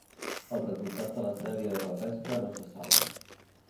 Els resultats de la sèrie de repesca no se saben.